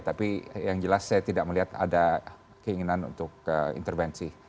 tapi yang jelas saya tidak melihat ada keinginan untuk intervensi